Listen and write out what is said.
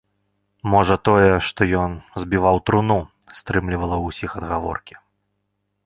Можа тое, што ён збіваў труну, стрымлівала ўсіх ад гаворкі.